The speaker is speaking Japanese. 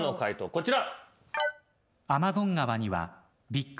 こちら。